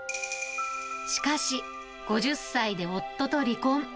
しかし、５０歳で夫と離婚。